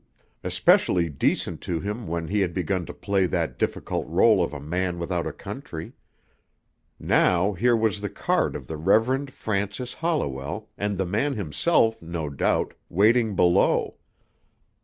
Especially decent to him when he had begun to play that difficult role of a man without a country. Now here was the card of the Reverend Francis Holliwell and the man himself, no doubt, waiting below.